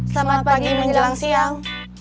selamat pagi menjelang siang